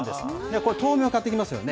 これ、豆苗買ってきますよね。